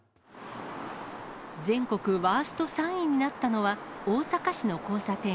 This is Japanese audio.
全国ワースト３位になったのは、大阪市の交差点。